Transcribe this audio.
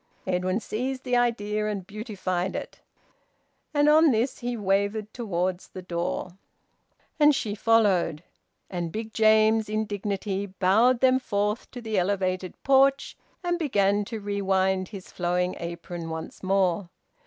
Edwin seized the idea and beautified it. And on this he wavered towards the door, and she followed, and Big James in dignity bowed them forth to the elevated porch, and began to rewind his flowing apron once more.